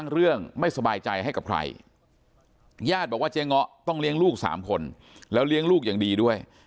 ราชบอกว่าเจ๊เงาะต้องเลี้ยงลูก๓คนแล้วเลี้ยงลูกอย่างดีด้วย